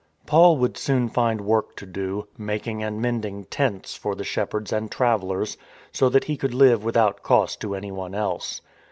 Paul would soon find work to do, making and mend ing tents for the shepherds and travellers, so that he could live without cost to anyone else.